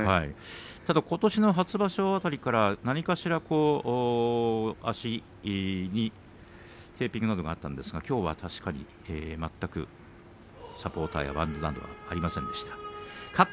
ただことしの初場所辺りから何かしら足にテーピングなどはあったんですがきょうは全くサポーターなどはありませんでした。